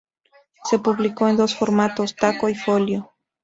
Se publicó en dos formatos, taco y folio.